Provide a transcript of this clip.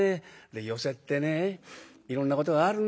寄席ってねいろんなことがあるんですよ。